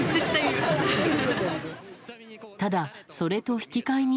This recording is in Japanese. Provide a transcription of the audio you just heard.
ただ、それと引き換えに。